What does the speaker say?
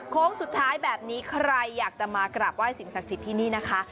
โค้งสุดท้ายแบบนี้ใครอยากจะมากราบไห้สิ่งศักดิ์สิทธิ์ที่นี่นะคะ